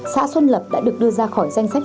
xã xuân lập đã được đưa ra khỏi danh sách